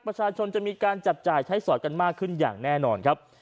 ประชาชนจะมีการจับจ่ายใช้สอดกันมากขึ้นอย่างแน่นอนครับ